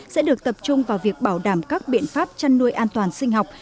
sẽ được tập trung vào việc bảo đảm các biện pháp chăn nuôi an toàn sinh học